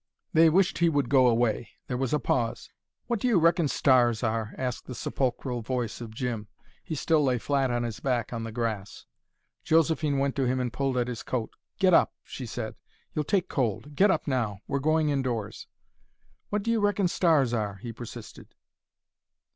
They wished he would go away. There was a pause. "What do you reckon stars are?" asked the sepulchral voice of Jim. He still lay flat on his back on the grass. Josephine went to him and pulled at his coat. "Get up," she said. "You'll take cold. Get up now, we're going indoors." "What do you reckon stars are?" he persisted.